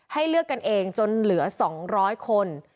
เลือกกันเองจนเหลือ๒๐๐คน